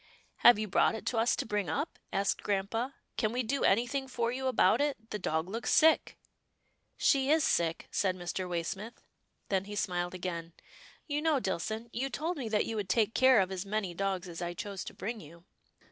" Have you brought it to us to bring up? asked grampa, " can we do anything for you about it ? The dog looks sick." " She is sick," said Mr. Waysmith, then he smiled again. " You know, Dillson, you told me that you would take care of as many dogs as I chose to bring to you."